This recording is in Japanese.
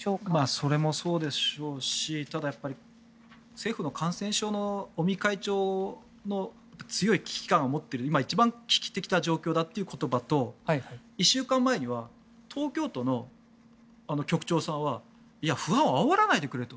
それもそうでしょうしただ、やっぱり政府の感染症の尾身会長の強い危機感を持っている今一番危機的な状況だという言葉と１週間前には東京都の局長さんはいや、不安をあおらないでくれと。